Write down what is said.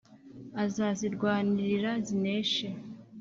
Azazirwanirira zineshe